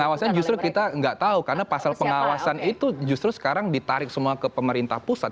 pengawasannya justru kita nggak tahu karena pasal pengawasan itu justru sekarang ditarik semua ke pemerintah pusat